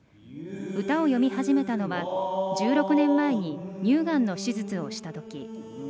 歌を詠み始めたのは、１６年前に乳がんの手術をしたとき。